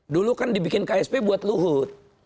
dulu kan dibikin ksp buat luhut